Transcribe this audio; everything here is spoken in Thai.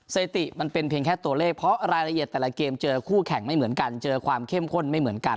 เซติมันเป็นเพียงแค่ตัวเลขเพราะรายละเอียดแต่ละเกมเจอคู่แข่งไม่เหมือนกัน